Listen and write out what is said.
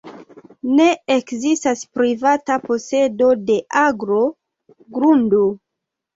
Ne ekzistas privata posedo de agro, grundo.